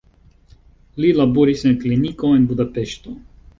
Li laboris en kliniko en Budapeŝto.